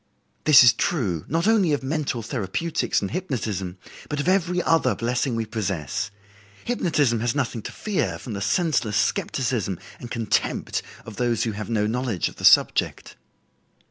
This is true, not only of mental therapeutics and hypnotism, but of every other blessing we possess. Hypnotism has nothing to fear from the senseless skepticism and contempt of those who have no knowledge of the subject."